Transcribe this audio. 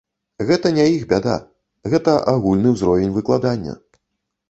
Гэта не іх бяда, гэта агульны ўзровень выкладання.